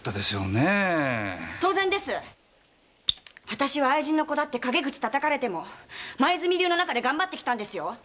私は愛人の子だって陰口叩かれても黛流の中で頑張ってきたんですよ。